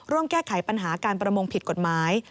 แก้ไขปัญหาการประมงผิดกฎหมาย